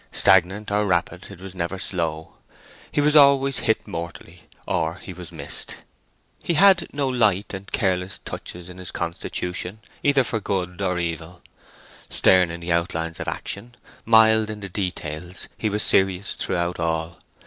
Stagnant or rapid, it was never slow. He was always hit mortally, or he was missed. He had no light and careless touches in his constitution, either for good or for evil. Stern in the outlines of action, mild in the details, he was serious throughout all.